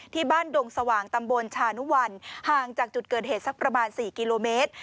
ดงสว่างตำบลชานุวัลห่างจากจุดเกิดเหตุสักประมาณ๔กิโลเมตร